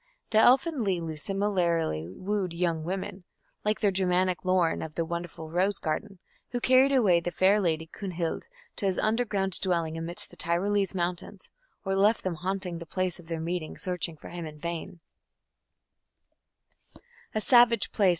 The elfin Lilu similarly wooed young women, like the Germanic Laurin of the "Wonderful Rose Garden", who carried away the fair lady Kunhild to his underground dwelling amidst the Tyrolese mountains, or left them haunting the place of their meetings, searching for him in vain: A savage place!